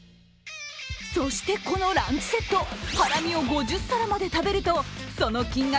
そして、このランチセット、ハラミを５０皿まで食べるとその金額